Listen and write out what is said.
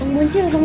bang bunci ya bang